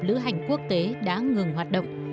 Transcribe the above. lữ hành quốc tế đã ngừng hoạt động